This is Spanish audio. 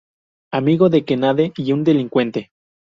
Amigo de Kanade y un delincuente.